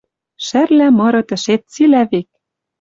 Шӓрла мыры тӹшец цилӓ век.